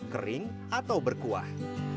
kering atau berkuah